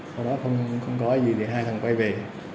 sau đó không có gì để hai thằng quay về